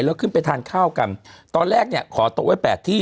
แล้วขึ้นไปทานข้าวกันตอนแรกเนี่ยขอโต๊ะไว้แปดที่